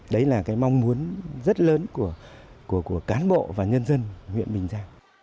đấy là cái mong muốn rất lớn của cán bộ và nhân dân huyện bình giang